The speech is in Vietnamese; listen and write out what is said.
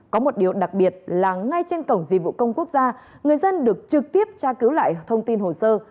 có một điều đặc biệt là ngay trên cổng dịch vụ công quốc gia người dân được trực tiếp tra cứu lại thông tin hồ sơ